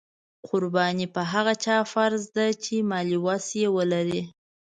قرباني په هغه چا فرض ده چې مالي وس یې ولري.